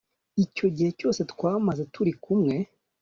icyo gihe cyose twamaze turi kumwe